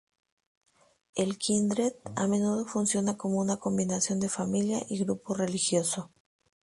El kindred a menudo funciona como una combinación de familia y grupo religioso.